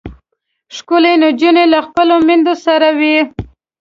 ښکلې نجونې له خپلو میندو سره وي.